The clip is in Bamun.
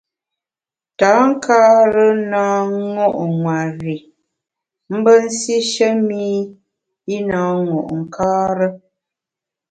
Tankare na ṅo’ nwer i mbe nsishe mi i na ṅo’ nkare.